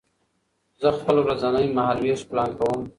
زه خپل ورځنی مهالوېش پلان کوم.